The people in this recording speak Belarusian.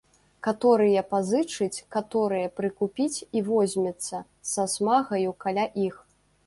Каторыя пазычыць, каторыя прыкупіць і возьмецца са смагаю каля іх.